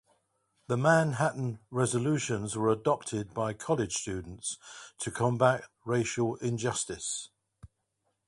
The Manhattan Resolutions were adopted by college students to combat racial injustice.